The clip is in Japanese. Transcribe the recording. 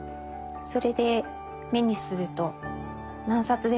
それで目にすると何冊でもいいから。